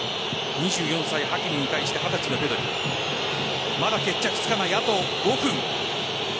２４歳、ハキミに対して二十歳のペドリまだ決着がつかない、あと５分。